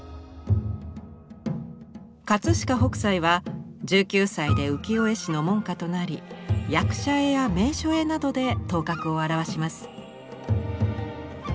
飾北斎は１９歳で浮世絵師の門下となり役者絵や名所絵などで頭角を現します。